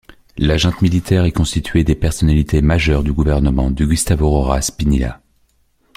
La Junte militaire est constituée des personnalités majeures du gouvernement de Gustavo Rojas Pinilla.